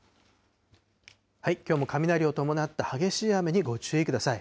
きょうも雷を伴った激しい雨にご注意ください。